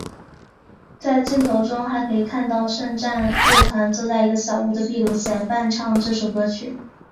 在镜头中还可以看到圣战乐团坐在一个小屋的壁炉前伴唱这首歌曲。